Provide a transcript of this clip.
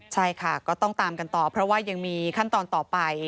ใช่ค่ะก็ต้องตามกันต่อเพราะว่ายังมีขั้นตอนต่อไป